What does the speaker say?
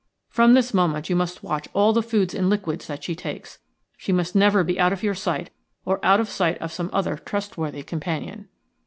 From this moment you must watch all the foods and liquids that she takes. She must never be out of your sight or out of the sight of some other trustworthy companion."